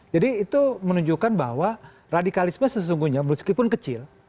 jadi itu menunjukkan bahwa radikalisme sesungguhnya meskipun kecil